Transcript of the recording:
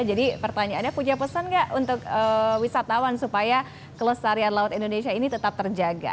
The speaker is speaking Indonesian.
pertanyaannya punya pesan nggak untuk wisatawan supaya kelestarian laut indonesia ini tetap terjaga